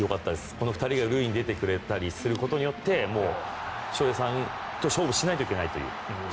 この２人が塁に出てくれることによって翔平さんと勝負しないといけないと。